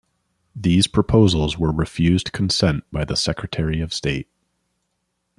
These proposals were refused consent by the Secretary of State.